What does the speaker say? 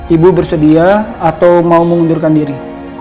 ibu bersedia atau mau mengundurkan diri